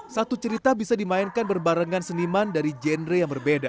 satu cerita bisa dimainkan berbarengan seniman dari genre yang berbeda